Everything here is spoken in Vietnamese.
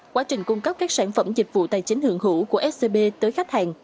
quá trình cung cấp các sản phẩm dịch vụ tài chính hưởng hữu của scb tới khách hàng